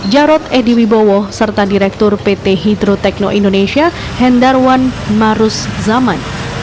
jarod ediwibowo serta direktur pt hidrotecno indonesia hendarwan marus zaman